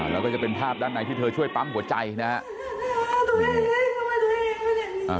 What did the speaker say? แล้วก็จะเป็นภาพด้านในที่เธอช่วยปั๊มหัวใจนะครับ